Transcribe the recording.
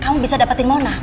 kamu bisa dapetin mona